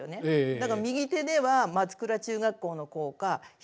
だから右手では松倉中学校の校歌左手では。